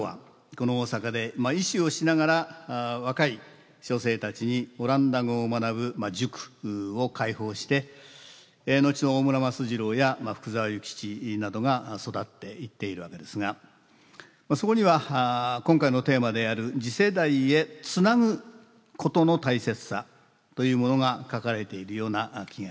この大阪で医師をしながら若い書生たちにオランダ語を学ぶ塾を開放して後の大村益次郎や福沢諭吉などが育っていっているわけですがそこには今回のテーマである次世代へつなぐことの大切さというものが書かれているような気がいたします。